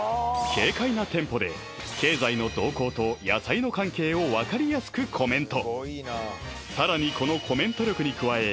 軽快なテンポで経済の動向と野菜の関係をわかりやすくコメント